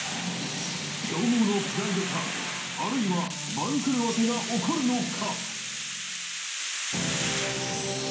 強豪のプライドか、あるいは番狂わせが起こるのか。